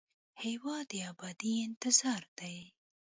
هېواد د ابادۍ انتظار دی.